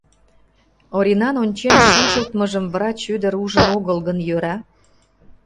Оринан ончен шинчылтмыжым врач ӱдыр ужын огыл гын, йӧра...